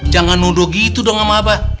jangan nuduh gitu dong sama abah